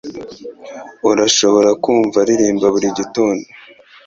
Urashobora kumva aririmba buri gitondo